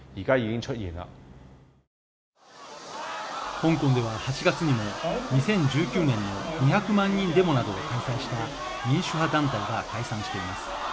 香港では８月にも２０１９年に２００万人デモなどを開催した民主派団体が解散しています